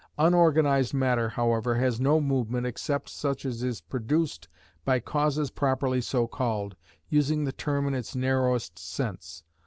Unorganised matter, however, has no movement except such as is produced by causes properly so called, using the term in its narrowest sense.